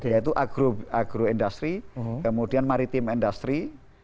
yaitu agro industri kemudian maritim industri